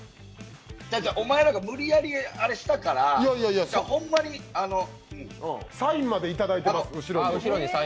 お前らが無理やりあれしたからホンマに後ろにサインまでいただいてます。